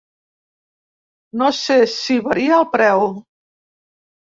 No se si varia el preu.